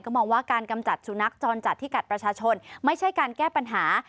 มองว่าการกำจัดสุนัขจรจัดที่กัดประชาชนไม่ใช่การแก้ปัญหา